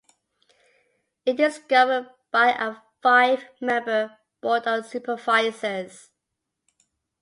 It is governed by a five-member Board of Supervisors.